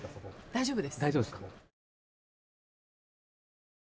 大丈夫です。